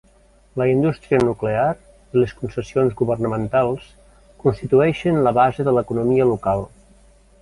La indústria nuclear i les concessions governamentals constitueixen la base de l'economia local.